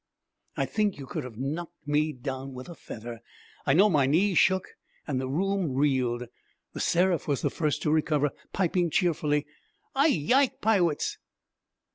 I think you could have knocked me down with a feather. I know my knees shook and the room reeled. The Seraph was the first to recover, piping cheerfully, 'I yike piwates!'